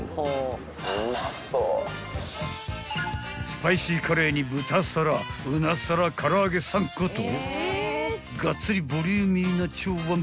［スパイシーカレーに豚皿鰻皿から揚げ３個とがっつりボリューミーな超腕白メニュー］